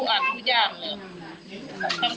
อยากให้สังคมรับรู้ด้วย